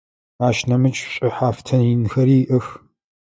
Ащ нэмыкӏ шӏухьафтын инхэри иӏэх.